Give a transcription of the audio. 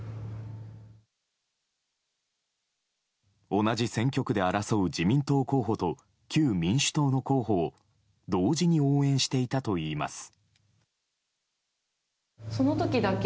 同じ選挙区で争う自民党候補と旧民主党の候補を同時に応援していたといいます。